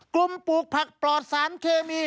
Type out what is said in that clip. กลุ่มปลูกผักปลอดสารเคมี